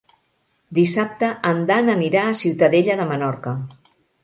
Dissabte en Dan anirà a Ciutadella de Menorca.